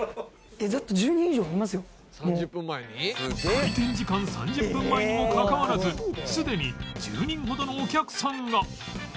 開店時間３０分前にもかかわらずすでに１０人ほどのお客さんが